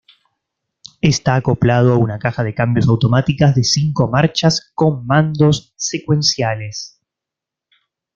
Está acoplado a una caja de cambios automática de cinco marchas con mandos secuenciales.